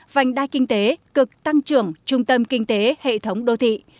vành đai kinh tế cực tăng trưởng trung tâm kinh tế hệ thống đô thị